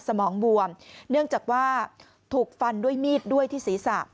สมองบวมเนื่องจากว่าถูกฟันด้วยมีดด้วยที่ศีรษะ